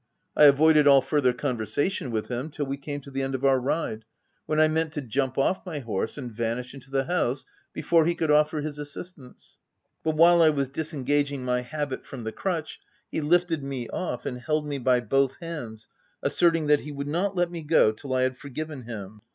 I avoided all further conversation with him, till we came to the end of our ride, when I meant to jump . ofFmy horse and vanish into the house, before he could offer his assistance ; but while I was dis engaging my habit from the crutch, he lifted me off, and held me by both hands, asserting that he would not let me go till I had forgiven him.